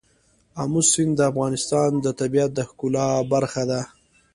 آمو سیند د افغانستان د طبیعت د ښکلا برخه ده.